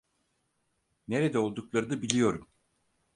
Nerede olduklarını biliyorum.